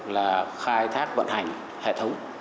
là khai thác vận hành hệ thống